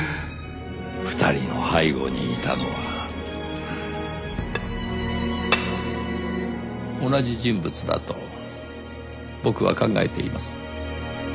２人の背後にいたのは同じ人物だと僕は考えています。